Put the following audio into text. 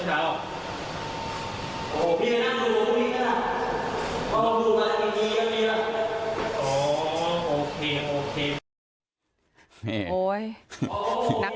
โหทะเลาะกับครูเนียรึเปล่า